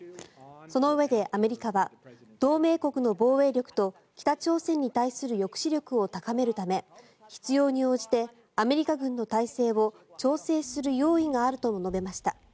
そのうえでアメリカは同盟国の防衛力と北朝鮮に対する抑止力を高めるため必要に応じてアメリカ軍の体制を調整する用意があるとも述べました。